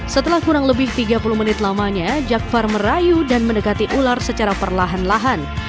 setelah kurang lebih tiga puluh menit lamanya jakfar merayu dan mendekati ular secara perlahan lahan